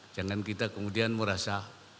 jangan kita kemudian merasa